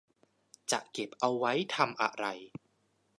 จะเก็บเอาไว้ทำอะไร